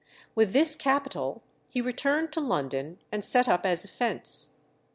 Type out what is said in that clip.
With this capital he returned to London and set up as a fence.